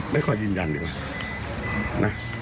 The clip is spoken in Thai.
ไม่ค่อยยินยันดีกว่านะ